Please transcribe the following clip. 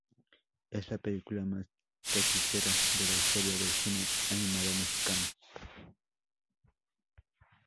Es la película más taquillera de la historia del cine animado mexicano.